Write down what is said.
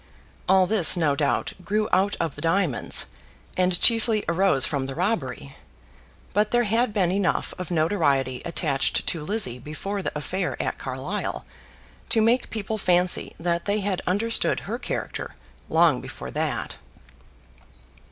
All this, no doubt, grew out of the diamonds, and chiefly arose from the robbery; but there had been enough of notoriety attached to Lizzie before the affair at Carlisle to make people fancy that they had understood her character long before that.